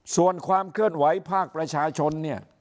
ส่วนความเคลื่อนไหวภาคประชาชนเนี่ย